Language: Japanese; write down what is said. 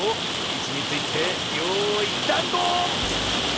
いちについてよいダンゴ！